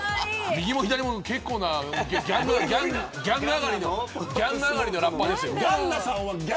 右も左も結構なギャング上がりのラッパーですよ。